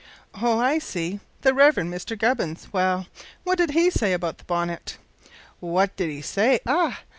"Oh! I see; the Reverend Mr Gubbins well, what did he say about the bonnet?" "W'at did he say? ah!